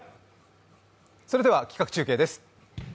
それでは企画中継です。